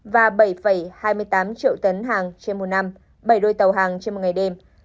và bảy hai mươi tám triệu tấn hàng trên một năm bảy đôi tàu hàng trên một ngày đêm